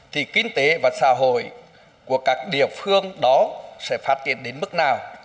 thì kinh tế và xã hội của các địa phương đó sẽ phát triển đến mức nào